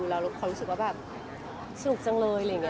แล้วคุณค่ะรู้สึกสนุกจังเลย